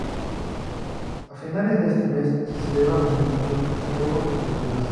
A finales de este mes se celebran los Encuentros: diálogos de culturas.